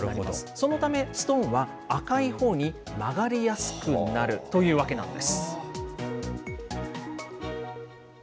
そのため、ストーンは赤いほうに曲がりやすくなるというわけなんです。